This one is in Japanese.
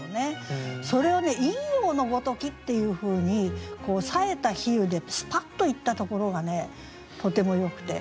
それを「陰陽のごとき」っていうふうにさえた比喩でスパッといったところがとてもよくて。